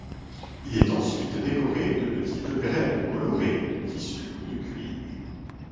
Il est ensuite décoré de petites graines colorées, de tissu ou de cuir.